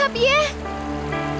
tidimu pun tidak tuduh